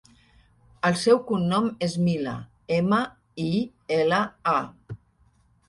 El seu cognom és Mila: ema, i, ela, a.